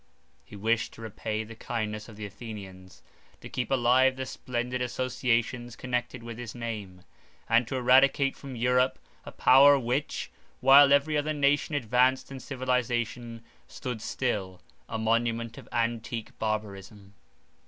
He wished to repay the kindness of the Athenians, to keep alive the splendid associations connected with his name, and to eradicate from Europe a power which, while every other nation advanced in civilization, stood still, a monument of antique barbarism.